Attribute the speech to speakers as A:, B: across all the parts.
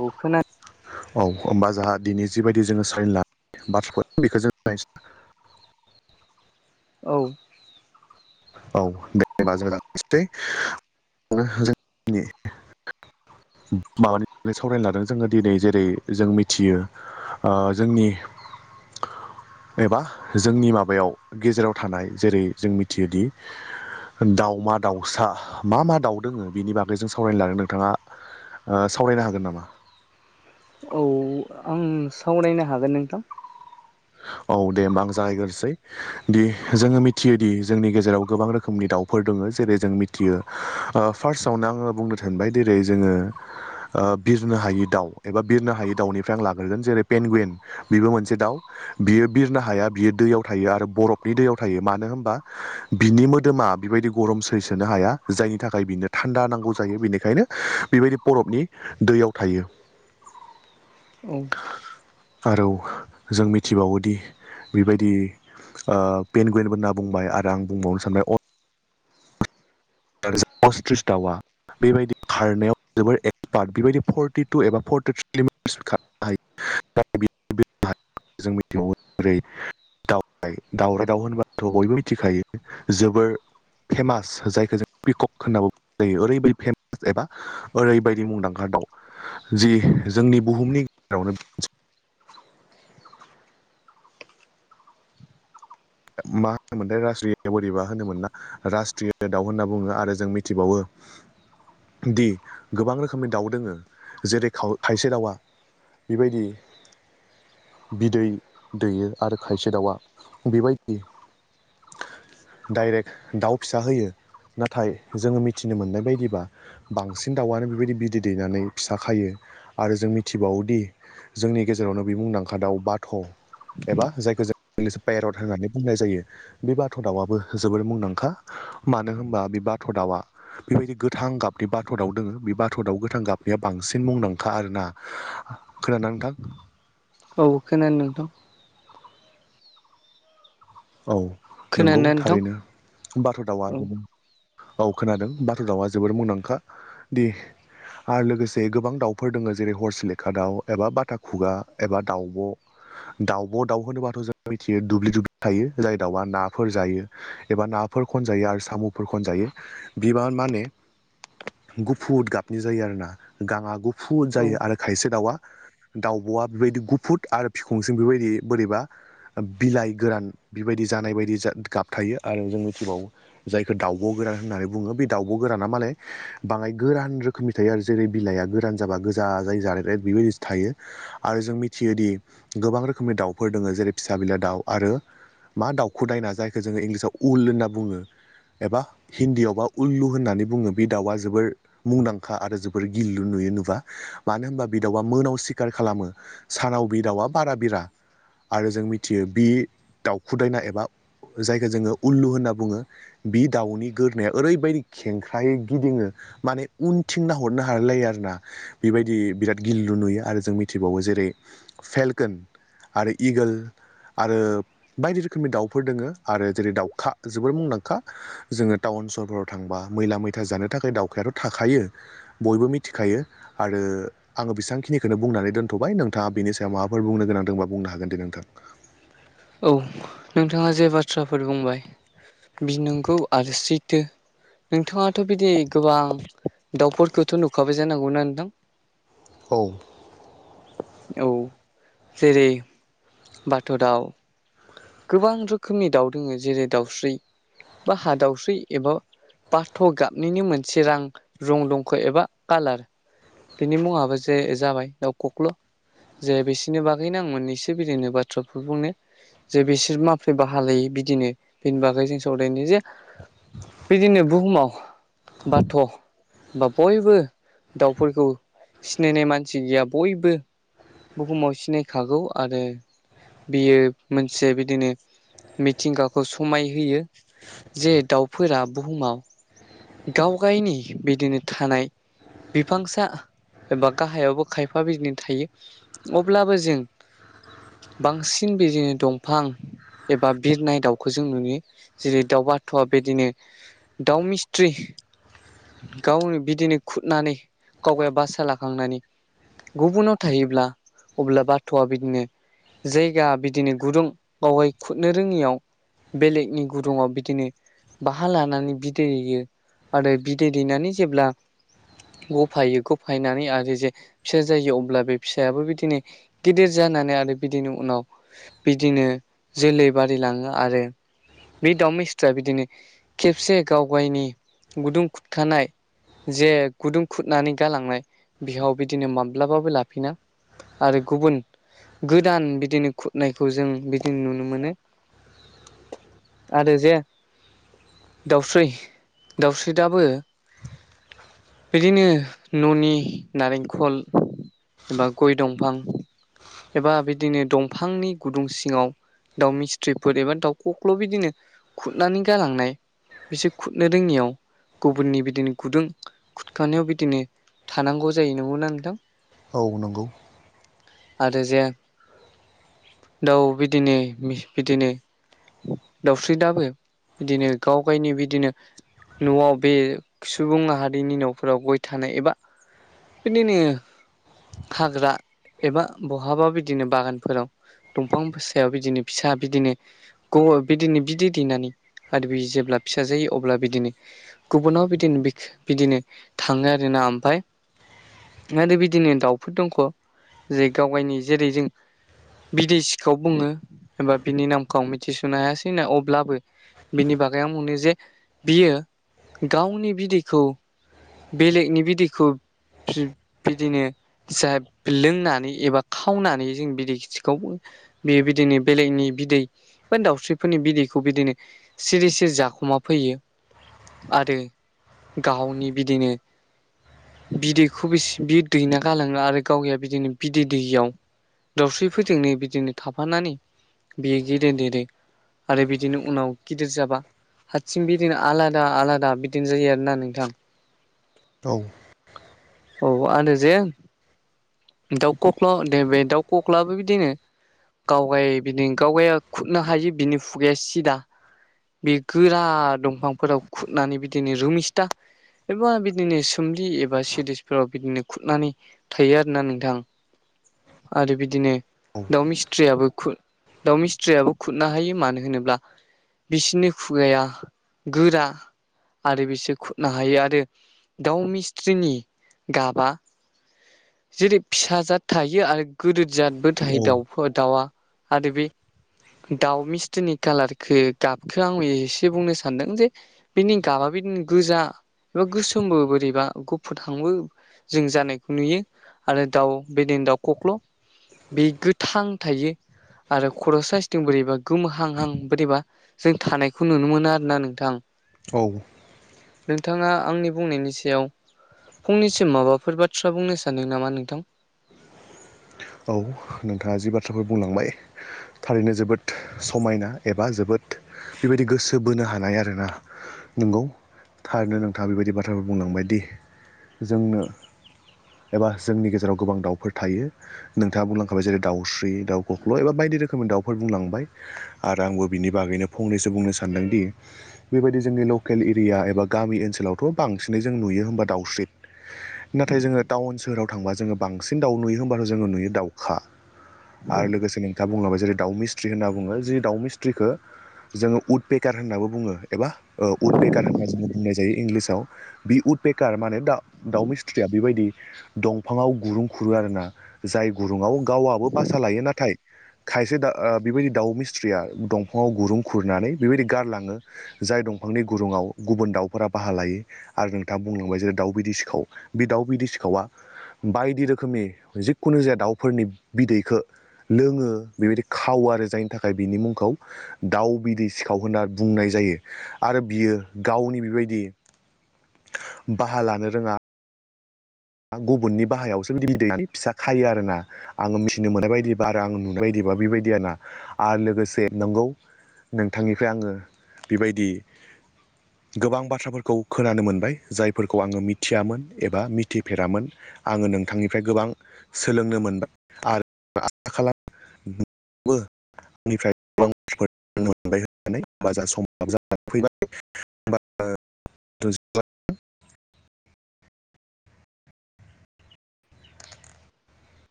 A: अ खोन
B: औ होमबा जोंहा दिनै जिबायदि जोङो सलिनो बाथ्राफोर बेखौ जों
A: औ।
B: औ जेनेबा जों लसै जोंनि माबानि सावरायनो लादों जोङो दिनै जेरै जों मिथियो जोंनि एबा जोंनि माबायाव गेजेराव थानाय जेरै जों मिथियोदि दाउमा दाउसा मा मा दाउ दोङो बेनि बागै जों सावरायनो लादों नोंथाङा सावरायनो हागोन नामा?
A: औ। आं सावरायनो हागोन नोंथां?
B: औ दे होमबा आं जागायग्रोसै दि जोङो मिथियो दि जोंनि गेजेराव गोबां रोखोमनि दाउ फोर दङ जेरै जों मिथियो फार्स्टआवनो आङो बुंनो सानबाय जेरै जोङो बिरनो हायि दाउ एबा बिरनो हायि दाउनिफ्राय आं लाग्रोगोन जेरै पेनगुवेन बेबो मोनसे दाउ बियो बिरनो हाया बियो दैयाव थायो आरो बरफनि दैयाव थायो मानो होनबा बिनि मोदोमा बिबायदि गरम सैसोनो हाया जायनि थाखाय बिनो थान्दा नांगौ जायो बेनिखायनो बेबायदि बररफनि दैयाव थायो।
A: [inaudible] औ
B: आरो जों मिथिबावोदि बेबायदि पेन गुयेनबो होन्ना बुंबाय आरो आं बुंबावनो सानबाय अ असथ्रिस दाउआ बेबायदि खारनायाव जोबद एक्सपार्ट बेबायदि फर्टि टु एबा फरटिथ्रिमि खारनो हायो। दा बे
A: [inaudible]
B: जों मिथियो बोरै दउ दावरराय दाउ होनबाथ' बयबो मिथिखायो जोबोर फेमास जायखौ जों पिकक होननाबो बुं जायो ओरैबायदि फेमास एबा ओरैबायदि मुंदांखा दाउ जि जोंनि बुहुमनि गेजेरावनो मा होनोमोनथाय राजास्रि बोरैबा होनोमोन ना। रास्ट्रिय दाउ होनना बुङो आरो जों मिथिबावो दि गोबां रोखोमनि दाउ दोङो जेरै थायसे दाउआ बेबायदि बिदै दैयो आरो खायसे दाउआ बेबायदि डाइरेक्ट दाउ फिसा होयो। नाथाय जोङो मिथिनो मोननाय बायदिबा बांसिन दाउआनो बेबायदि बिदै दैनानै फिसा खायो आरो जों मिथिबावोदि जोंनि गेजेरावनो बे मुंदांखा दाव बाथ' एबा जायखौ जों पेरट होनानै बुंनाय जायो बे बाथ' दाउआबो जोबोर मुंदांखा मानो होनबा बे बाथ' दाउआ बेबायदि गोथां गाबनि बाथ' दाव दोङो बे बाथ' दाव गोथां गाबनिया बांसिन मुंदांखा आरोना खोनादों ना नोंथां?
A: औ खोनादों नोंथां।
B: औ नंगौ
A: खोनादोंना नोंथां
B: थारैनो बाथ' दाउआ
A: औ
B: जोबो औ खोनादों बाथ' दावआ जोबोद मुंदांखा दि आरो लोगोसे गोबां दाउफोर दङ जेरै हरसेलेखा दाउ एबा बाथा खुगा एबा दाउब' दाउब' दाउ होनोबाथ' जाबायथियो दुब्लि दुब्लि थायो जाय दाउआ नाफोर जायो एबा नाफोर खनजायो आरो साम'फोर खनजायो बिबार माने गुफुर गाबनि जायो आरोना गाबा गुफुद
A: औ
B: जायो आरो खायसे दाउआ दाउबआ बेबायदि गुफुरुर आरो बिखंजों बेबायदि बोरैबा बिलाइ गोरान बिबायदि जानाय बादि जा गाब थायो आरो जों मिथिबावो जायखौ दाउब' गोरान होननानै बुङो बे दाउब' गोराना माले बाङाय गोरान रो खोमि थायो आरो जेरै बिलाइआ गोरान जाबा गोजा जाय जारे रे बेबायदि थायो आरो जों मिथियोदि गोबां रोखोमनि दाउफोर दोङ जेरै फिसा बिला दाउ आरो मा दावउखु दायना जायखौ जोङो इंलिसाव उल होनना बुङो एबा हिन्दीयाव बा उललु होननानै बुङो बे दाउआ जोबोर मुंदांखा आरो जोबोर गिललु नुयो नुबा मानो होनबा बिदाावआ मोनाव सिखार खालामो सानाव बि दाउआ बारा बिरा आरो जों मिथियो बे दावउखुदायना एबा जायखौ जोङो उललु होनना बुङो बि दाउनि गोरोना ओरैबायदि खेंख्रायै गिदिङो माने उनथिं नायहरनो हालाय लायो आरो ना बेबायदि बिराद गिललु नुयो आरो जों मिथिबावो जेरै फेलकोन आरो इगोल आरो बायदि रोखोमनि दाउफोर दोङो आरो जेरै दाउखा जोबोर मुंदांखा जोङो टाउन सहफोराव थांबा मैला मैथा जानो थाखाय दावखायाथ' थाखायो बयबो मिथिखायो आरो आङो बेसेबखिनिखौनो बुंनानै दोनथ'बाय नोंथाङा बेनि सायाव माबाफोर बुंनो गोनांदोंबा बुंनो हागोन दे नोंथां
A: औ नोंथाङा जे बाथ्राफोर बुंबाय बि नंगौ आरो सैथो नोंथाङाथ बिदि गोबां दाउफोरखौथ नुखाबाय जानांगौ ना नोंथां
B: औ
A: औ जेरै बाथ दाउ गोबां रोखोमनि दाउ दोङो जेरै दाउस्रि बा हादावस्रि एबा बाथ गाबनिनो मोनसे रां रं दंखायो एबा कालार बेनि मुङाबो जे जाबाय दाउ खख्ल जे बिसिनि बागैनो आं मोननैसो बिदिनो बाथ्रा बुंनो जे बिसोर माबोरै बाहा लायो बिदिनो बेनि बागै जों सावरायनो जे बिदिनो बुहुमाव बाथ बा बयबो दाउफोरखौ सिनायनाय मानसि गैया बयबो बुहुमाव सिनायखागौ आरो बियो मोनसे बिदिनो मिथिंगाखौ समाय होयो जे दाउफोरा बुहुमाव गावगायनि बिदिनो थानाय। बिफांसा एबा गाहायावबो खायफा बिदिनो थायो अब्लाबो जों बांसिन बिदिनो दंफां एबा बिरनाय दाउखौ जों नुयो जेरै दाउ बाथआ बेदिनो। दाउ मिस्थ्रि गावनो बिदिनो खुरनानै गावगाय बासा लाखांनानै। गुबुनाव थायोब्ला अब्ला बाथ'आ बिदिनो जायगा बिदिनो गुदुं बावहाय खुरनो रोङियाव बेलेगनि गुदुङाव बिदिनो बाहा लानानै बिदै दैयो आरो बिदै दैनानै जेब्ला गफायो गफायनानै आरो जे फिसा जायो अब्ला बे फिसायाबो बिदिनो। गिदिर जानानै बिदिनो उनाव बिदिनो जोलै बारिलाङो आरो बे दाउमिस्थुआ बिदिनो खेबसे गावगावनि गुदुं खुरखानाय जे गुदुं खुरनानै गालांनाय बिहाव बिदिनो माब्लाबाबो लाफिना आरो गुबुन गोदान बिदिनो खुरनायखौ जों बिदिनो नुनो मोनो। आरो जे दाउस्रै दाउस्रि दाबो बिदिनो न'नि नारेंखल एबा गय दंफां। एबा बिदिनो दंफांनि गुदुं सिङाव दाउ मिस्थ्रिफोर एबा दाउखौऔआ बिदिनो। खुरनानै गालांनाय बिसोर खुरनो रोङियाव गुबुननि बिदिनो गुदुं। खुरखानायाव बिदिनो थानांगौ जायो नंगौना नोंथां
B: औ नंगौ।
A: जे दाउ बिदिनो बिदिनो दाउस्रिदाबो बिदिनो गावगायनि बिदिनो न'आव बे सुबुं माहारिनि न'फोराव गय थानाय एबा। बिदिनो हाग्रा एबा बहाबा बिदिनो बागानफोराव दंफां फसायाव बिदिनो फिसा बिदिनो ग बिदिनो बिदै दैेनानै आरो बि जेब्ला फिसा जायो अब्ला बिदिनो गुबुनाव बिदिनो बिदिनो थाङो आरोना ओमफ्राय आरो बिदिनो दाउफोर दंख' गाव गायनि जेरै जों बिदे सिखौ बुङो एबा बिनि नामखौ आं मिथिस'नो हायासै ना अब्लाबो। बिनि बागै आं बुंनि जे बियो गावनि बिदैखौ बेलेगनि बिदैखौ बिदिनो जा लोंनानै। एबा खावनानै जों बिदै खिथिखौबो बेयो बिदिनो बेलेगनि बिदै बा दाउस्रिफोरनि बिदैखौ बिदिनो। सिरि सिरि जाखोमा फैयो। आरो गावनि बिदिनो। बिदैखौ बेसे बि दैैना गालाङो आरो गावया बिदिनो बिदै दैयाव। दावस्रिफोरोजोंनोै बिदिनो थाफानानै बियो गेदेर देदे आरो बिदिनो उनाव गिदिर जाबा हारसिं बिदिनो आलादा आलादा बिदिनो जायो आरोना नोंथां।
B: औ।
A: औ आनो जे दाउ खख्ल' दे बे दाउ खख्लाबो बिदिनो गावगाय बिनि गावगाया खुरनो हायो बिनि खुगाया सिदा बे गोरा दंफांफोराव खुरनानै बिदिनो रुमिस्था एबा बिदिनो सोमलि एबा सिरिसफोराव बिदिनो खुरनानै थायो आरोना नों थां आरो बिदिनो
B: औ
A: दाउ मिस्थ्रियाबो खु दाउ मिस्थ्रियाबो खुरनो हायो मानो होनोब्ला बिसोरनि खुगाया गोरा आरो बिसोर खुरनो हायो आरो दाउ मिस्थ्रिनि गाबा जेरै फिसा जाद थायो आरो गिदिर जादबो थायो दाउ
B: औ
A: फोर दावा आरो बे दाउ मिस्थ्रिनि कालारखो गाबखो आंबो एसे बुंनो सानदों जे बिनि गाबा बिदिनो गोजा एबा गोसोमबो बोरैबा गुफुर हांबो जों जानायखौ नुयो आरो दाउ बेदिनो दाउ खख्ल बे गोथां थायो आरो खर साइसथिं बोरैबा गोमोहांहां बोरैबा जों थानायखौ नुनो मोना आरोना नोंथां
B: औ
A: नोंथाङा आंनि बुंनायनि सायाव फुंनैसो माबाफोर बाथ्रा बुंनो सानदों नामा नोंथां
B: औ नोंथाङा जि बाथ्राखौ बुंलांबाय थारैनो जोबोद समायना एबा जोबोद बेबायदि गोसो बोनो हानाय आरोना नंगौ थारैनो नोंथाङा बेबायदि बाथ्राफोर बुंलांबायदि जोंनो एबा जोंनि गेजेराव गोबां दाउफोर थायो नोंथाङा बुंलांखाबाय जेरै दाउस्रि दाउ खख्ल एबा बायदि रोखोमनि दाउफोर बुंलांबाय आरो आंबो बिनि बागैनो फंनैसो बुंनो सानदोंदि बेबायदि जोंनि लकेल एरिया एबा गामि ओनसोलावथ बांसिनै जों नुयो होनोमबा दाउस्रि नाथाय जोङो टाउन सोहोराव थांबा जोङो बांसिन दाउ नुयो होनोमबाथ जोङो नुयो दाउखा आरो लोगोसे नोंथाङा बुंलांबाय जेरै दाउ मिस्ट्रि होनना बुङो जि दाउ मिस्ट्रिखो जोङो उद पेकार होननाबो बुङो एबा उद पेकार होनना जोङो बुंनाय जायो इंलिसाव बि उदपेकार माने दा दाउ मिस्थ्रिया बेबायदि दंफाङाव गुरुं खुरो आरोना जाय गुरुङआव गावआबो बासा लायो नाथाय खायसे दा बेबायदि दाउ मिस्थ्रिया दंफाङाव गुरुं खुरनानै बेबायदि गारलाङो जाय दंफांनि गुरुङआव गुबुन दाउफोरा बाहा लायो आरो नोंथाङा बुंलांबाय जेरै दाउ बिदै सिखाव बे दाउ बिदै सिखावा बायदि रोखोमनि जिखुनु जाया दाउफोरनि बिदैखो लोङो बेबायदि खावो आरो जायनि थाखाय बिनि मुंखौ दाउ बिदै सिखाव होनना बुंनाय जायो आरो बियो गावनि बेबायदि बाहा लानो रोङा गुबुननि बाहायावसो बिदि बि दैनानै फिसा खायो आरोना आङो मिथिनो मोननाय बायदिबा आरो आं नुनाय बायदिबा बेबायदि आरोना लोगोसे नंगौ नोंथांनिफ्राय आङो बेबायदि गोबां बाथ्राफोरखौ खोनानो मोनबाय जायफोरखौ आङो मिथियामोन एबा मि थि फेरामोन आङो नोंथांनिफ्राय गोबां सोलोंनो मोनबाय आरो आसा खालामो [unintelligible] जा सम [unintelligible] फैबाय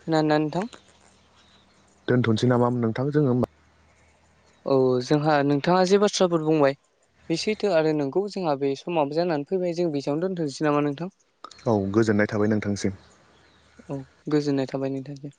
A: खोनादोना नोंथां
B: दोनथनोसै नामा नोंथां जोङो होमबा
A: औ जोंहा नोंथाङा जे बाथ्राफोर बुंबाय बे सैथो आरो नोंगौ जोंहा बे समाबो जानानै फैबाय जों बेसेबांनो दोनथोंसै नामा नोंथां
B: औ गोजोननाय थाबाय नोंथांसिम
A: औ गोजोननाय थाबाय नोंथांसिम